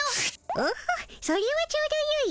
オッホそれはちょうどよい。